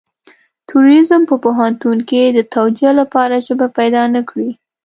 تروريزم په پوهنتون کې د توجيه لپاره ژبه پيدا نه کړي.